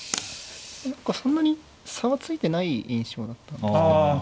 何かそんなに差はついてない印象だったんですけど。